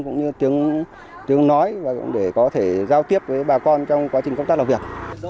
chúng nói để có thể giao tiếp với bà con trong quá trình công tác làm việc